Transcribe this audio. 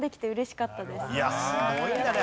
いやすごいんだね